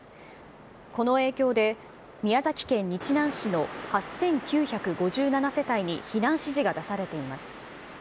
この影響で宮崎県日南市の８９５７世帯に避難指示が出されています。